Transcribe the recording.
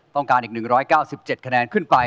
ต้องการอีก๑๙๗คะแนนขึ้นไป